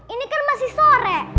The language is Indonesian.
ini kan masih sore